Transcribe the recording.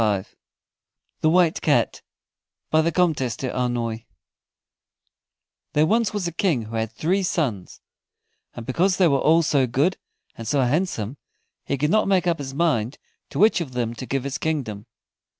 THE WHITE CAT BY THE COMTESSE D'AULNOY There was once a King who had three sons, and because they were all so good and so handsome, he could not make up his mind to which of them to give his kingdom.